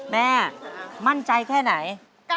แม่มั่นใจแค่ไหน